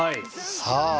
さあ。